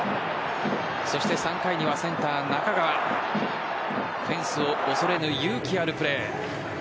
そして３回にはセンター・中川フェンスを恐れぬ勇気あるプレー。